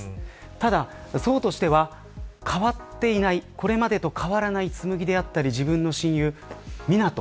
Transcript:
ただ、想としては変わっていない、これまでと変わらない紬であったり自分の親友、湊斗。